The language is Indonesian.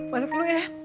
masuk dulu ya